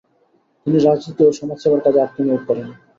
তিনি রাজনীতি ও সমাজসেবার কাজে আত্মনিয়োগ করেন।